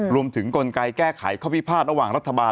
กลไกแก้ไขข้อพิพาทระหว่างรัฐบาล